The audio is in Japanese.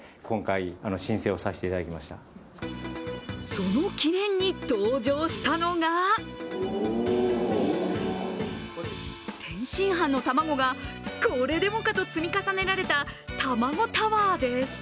その記念に登場したのが天津飯の玉子が、これでもかと積み重ねられた玉子タワーです。